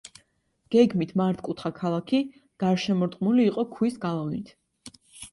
გეგმით მართკუთხა ქალაქი გარშემორტყმული იყო ქვის გალავნით.